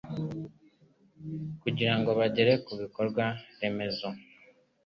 kugira ngo bagere ku bikorwa remezo